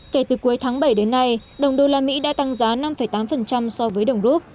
kể từ cuối tháng bảy đến nay đồng đô la mỹ đã tăng giá năm tám so với đồng rút